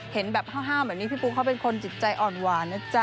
เห็นแบบห้าวแบบนี้พี่ปูเขาเป็นคนจิตใจอ่อนหวานนะจ๊ะ